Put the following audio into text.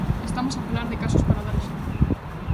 Estamos a falar de casos para dar exemplo.